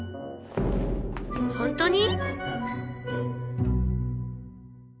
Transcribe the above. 本当に？